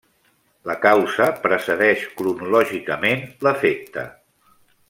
La causa precedeix cronològicament l'efecte.